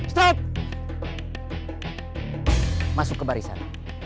stop masuk ke barisan